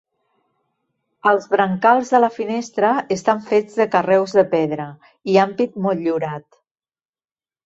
Els brancals de la finestra estan fets de carreus de pedra, i ampit motllurat.